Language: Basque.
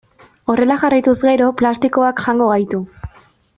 Horrela jarraituz gero plastikoak jango gaitu.